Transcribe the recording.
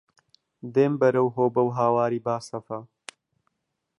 دێم بەرەو هۆبە و هەواری باسەفا